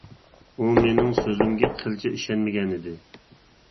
ئۇ مېنىڭ سۆزۈمگە قىلچە ئىشەنمىگەن ئىدى.